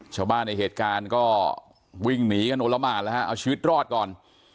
ชาวบ้านในเหตุการณ์ก็วิ่งหนีกันโอละหมานแล้วฮะเอาชีวิตรอดก่อน